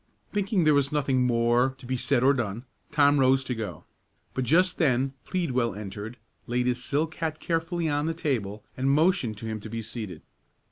Thinking there was nothing more to be said or done, Tom rose to go; but just then Pleadwell entered, laid his silk hat carefully on the table, and motioned to him to be seated.